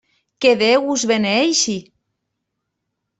Que Déu us beneeixi!